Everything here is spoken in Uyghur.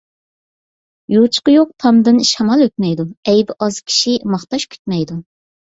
يوچۇقى يوق تامدىن شامال ئۆتمەيدۇ، ئەيىبى ئاز كىشى ماختاش كۈتمەيدۇ.